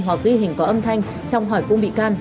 hoặc ghi hình có âm thanh trong hỏi cung bị can